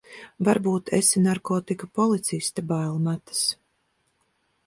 Varbūt esi narkotiku policiste, bail metas.